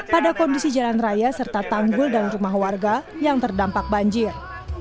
pada kondisi jalan raya serta tanggul dan rumah warga yang terdampak banjir